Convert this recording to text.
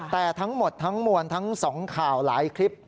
แต่ทั้งหมดทั้งมวลทั้ง๒ข่าวหลายคลิป